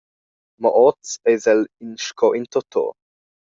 Mo oz eis el in sco in totò.